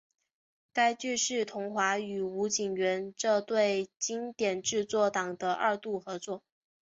该剧是桐华与吴锦源这对经典制作档的二度合作。